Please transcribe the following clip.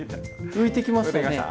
浮いてきました？